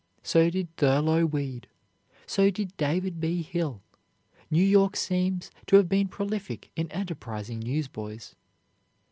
So did Thurlow Weed; so did David B. Hill. New York seems to have been prolific in enterprising newsboys.